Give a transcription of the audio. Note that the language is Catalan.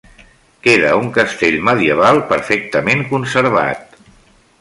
Queda un castell medieval perfectament conservat.